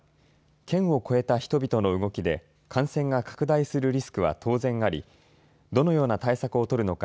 県をこえた人々の動きで感染が拡大するリスクは当然ありどのような対策を取るのか